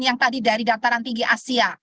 yang tadi dari daftaran tinggi asia